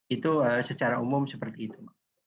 itu secara umum seperti itu